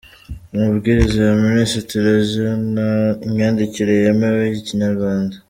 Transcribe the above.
Amabwiriza ya Minisitiri agena Imyandikire yemewe y‟Ikinyarwanda.